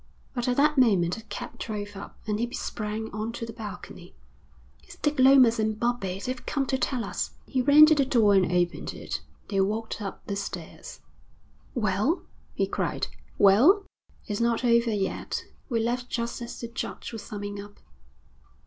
But at that moment a cab drove up, and, he sprang on to the balcony. 'It's Dick Lomas and Bobbie. They've come to tell us.' He ran to the door and opened it. They walked up the stairs. 'Well?' he cried. 'Well?' 'It's not over yet. We left just as the judge was summing up.'